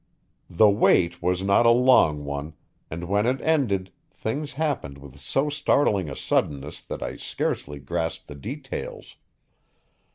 The wait was not a long one, and when it ended things happened with so startling a suddenness that I scarcely grasped the details.